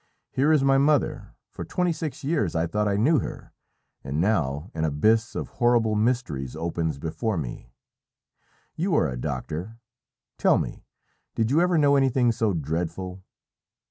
Here is my mother for twenty six years I thought I knew her and now an abyss of horrible mysteries opens before me. You are a doctor; tell me, did you ever know anything so dreadful?"